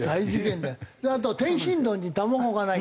あと天津丼に卵がない。